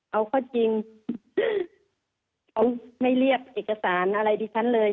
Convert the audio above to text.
เอาข้อจริงเขาไม่เรียกเอกสารอะไรดิฉันเลย